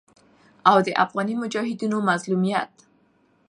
او د افغاني مجاهدينو مظلوميت